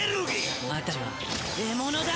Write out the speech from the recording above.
お前たちは獲物だ。